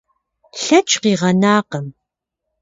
Лъэкӏ къигъэнакъым.